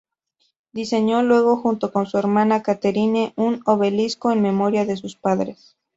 Diseñó luego, junto con su hermana Katherine, un obelisco en memoria de sus padres.